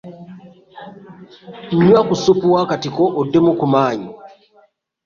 Anyway ku ssupu w'akatiko oddemu ku maanyi.